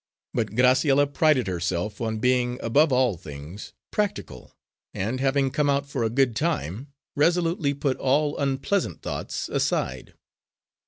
But Graciella prided herself on being, above all things, practical, and, having come out for a good time, resolutely put all unpleasant thoughts aside.